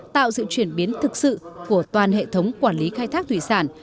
tạo sự chuyển biến thực sự của toàn hệ thống quản lý khai thác thủy sản